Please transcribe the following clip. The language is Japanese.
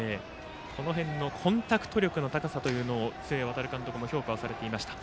この辺のコンタクト力の高さを須江航監督も評価されていました。